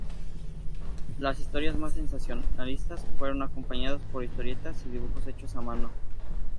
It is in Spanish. Las historias más sensacionalistas fueron acompañadas por historietas y dibujos hechos a mano.